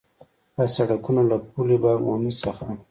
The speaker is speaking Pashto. دا سړکونه له پُل باغ عمومي څخه